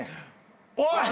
「おい！」